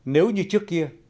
nếu như trước kia